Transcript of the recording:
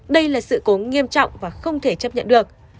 đây là sự cố nghiêm trọng và không thể chấp nhận được